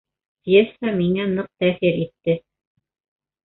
Пьеса миңә ныҡ тәьҫир итте